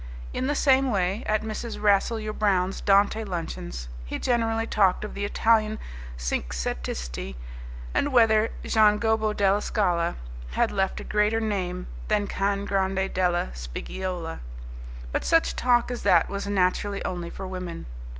In the same way, at Mrs. Rasselyer Brown's Dante luncheons, he generally talked of the Italian cinquecentisti and whether Gian Gobbo della Scala had left a greater name than Can Grande della Spiggiola. But such talk as that was naturally only for women.